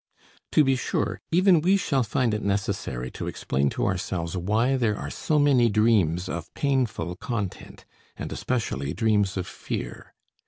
To be sure, even we shall find it necessary to explain to ourselves why there are so many dreams of painful content, and especially dreams of fear.